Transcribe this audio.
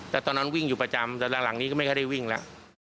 แต่ตอนนั้นวิ่งอยู่ประจำแต่หลังนี้ก็ไม่ค่อยได้วิ่งแล้ว